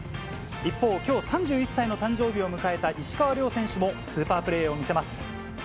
一方、きょう３１歳の誕生日を迎えた石川遼選手も、スーパープレーを見せます。